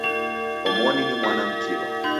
Omoni ni mwana mkiw'a.